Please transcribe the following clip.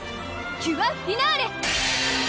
キュアフィナーレ！